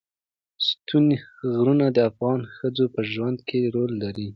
ستوني غرونه د افغان ښځو په ژوند کې رول لري.